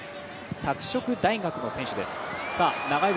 拓殖大学の選手です。